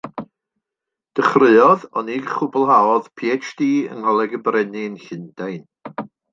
Dechreuodd, ond ni chwblhaodd, PhD yng Ngholeg y Brenin, Llundain.